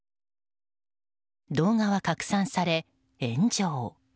動画は拡散され、炎上。